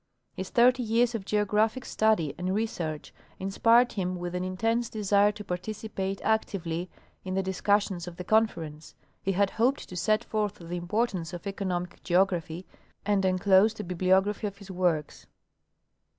His thirty years of geographic study and research inspired him with an intense desire to participate actively in the discussions of the Conference. He had hoped to set forth the importance of economic geograj^hy, and enclosed a bibliography of his works.